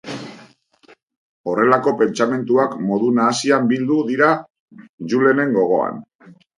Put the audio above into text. Horrelako pentsamenduak modu nahasian bildu dira Julenen gogoan.